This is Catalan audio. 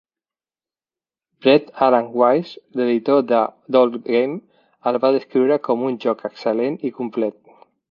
Brett Alan Weiss, l'editor d'"Allgame", el va descriure com "un joc excel·lent i complet".